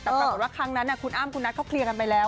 แต่ปรากฏว่าครั้งนั้นคุณอ้ำคุณนัทเขาเคลียร์กันไปแล้ว